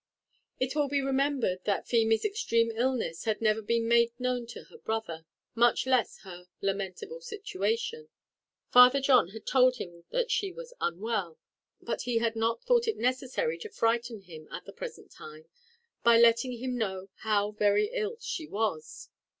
It will be remembered that Feemy's extreme illness had never been made known to her brother, much less her lamentable situation. Father John had told him that she was unwell, but he had not thought it necessary to frighten him at the present time by letting him know how very ill she was.